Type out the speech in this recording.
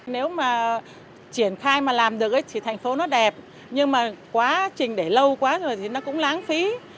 nếu mà triển khai mà làm được thì thành phố nó đẹp nhưng mà quá trình để lâu quá rồi thì nó cũng lãng phí